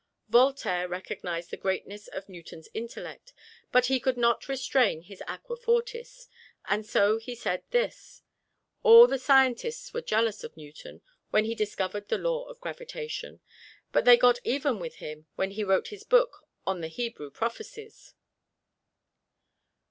Voltaire recognized the greatness of Newton's intellect, but he could not restrain his aqua fortis, and so he said this: "All the scientists were jealous of Newton when he discovered the Law of Gravitation, but they got even with him when he wrote his book on the Hebrew Prophecies!"